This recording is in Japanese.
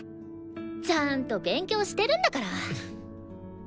ちゃんと勉強してるんだから！